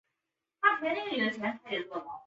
苏苏帝国填补个该地区的空洞。